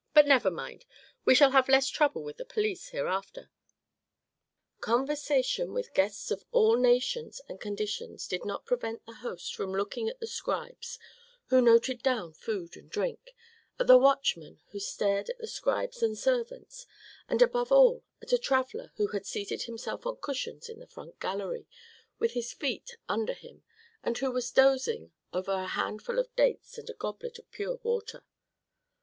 But never mind! We shall have less trouble with the police hereafter." Conversation with guests of all nations and conditions did not prevent the host from looking at the scribes who noted down food and drink, at the watchman who stared at the scribes and the servants, and above all at a traveller who had seated himself on cushions in the front gallery, with his feet under him, and who was dozing over a handful of dates and a goblet of pure water.